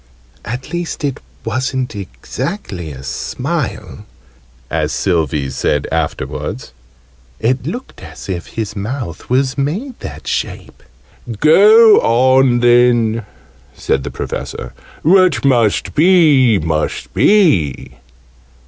("At least it wasn't exactly a smile,") as Sylvie said afterwards: "it looked as if his mouth was made that shape." "Go on then," said the Professor. "What must be must be."